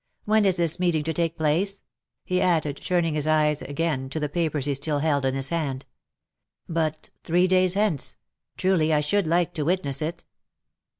" When is this meeting to take place V he added, turning his eyes again to the papers he still held in his hand. H But three days hence !— truly I should like to witness it